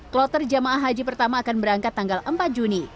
kloter jemaah haji pertama akan berangkat tanggal empat juni